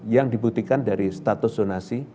yang dibuktikan dari status zonasi